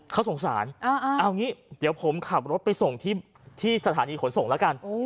เขาสงสารเอางี้เดี๋ยวผมขับรถไปส่งที่สถานีขนส่งแล้วกัน